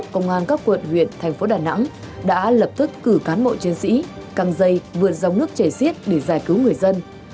công an các quận huyện thành phố đà nẵng đã lập tức cử cán bộ chiến sĩ căng dây vượt dòng nước chảy xiết để giải cứu người dân